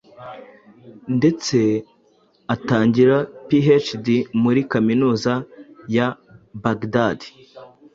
ndetse atangira PhD muri Kaminuza ya Baghdad